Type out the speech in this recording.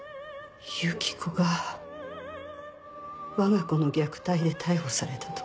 由紀子がわが子の虐待で逮捕されたと。